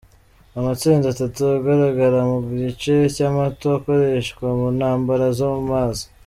Amatsinda atatu agaragara mu gice cy’amato akoreshwa mu ntambara zo mu mazi.